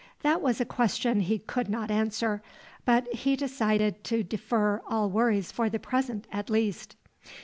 That was a question he could not answer, but he decided to defer all worries for the present at least.